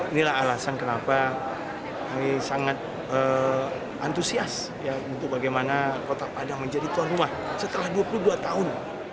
inilah alasan kenapa kami sangat antusias untuk bagaimana kota padang menjadi tuan rumah setelah dua puluh dua tahun